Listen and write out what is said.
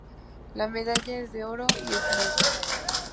La medalla es de oro y esmaltes.